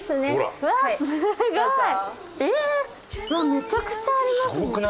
うわっめちゃくちゃありますね。